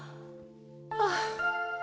ああ。